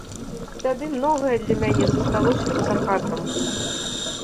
Тады многае для мяне засталося па-за кадрам.